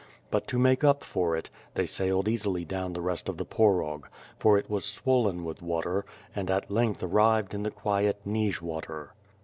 But to make up for it, they sailed easily down the rest of the Porog, for it was sw^ollcn with water, and at length arrived in the quiet "Nij water."